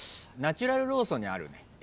ナチュラルローソンにあるね。